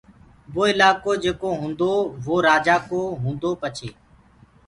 وو الآڪو جيڪو هوٚندو وو رآجآ ڪو، هوندو پڇي